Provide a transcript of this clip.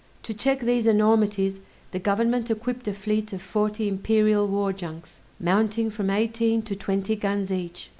To check these enormities the government equipped a fleet of forty imperial war junks, mounting from eighteen to twenty guns each.